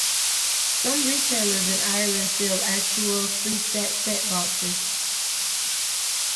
Some retailers in Ireland sell actual Freesat setboxes.